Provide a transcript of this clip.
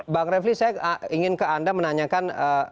bang refli saya ingin ke anda menanyakan